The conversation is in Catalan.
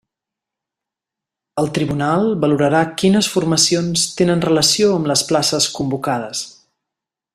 El tribunal valorarà quines formacions tenen relació amb les places convocades.